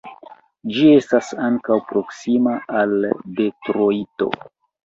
Ĝi estas ankaŭ proksima al Detrojto.